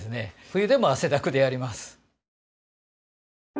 冬でも汗だくでやります。